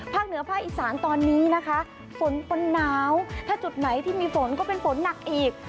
เหนือภาคอีสานตอนนี้นะคะฝนปนหนาวถ้าจุดไหนที่มีฝนก็เป็นฝนหนักอีก